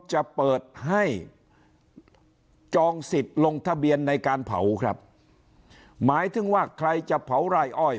หมายถึงว่าใครจะเผาไร้อ้อย